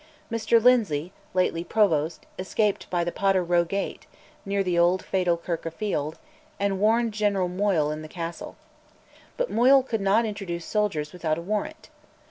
Mr Lindsay, lately Provost, escaped by the Potter Row gate (near the old fatal Kirk o' Field), and warned General Moyle in the Castle. But Moyle could not introduce soldiers without a warrant.